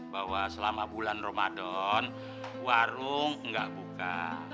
bahwa selama bulan ramadan warung nggak buka